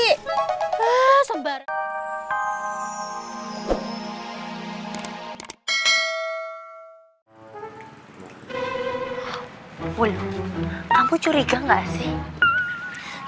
kamu curiga gak sih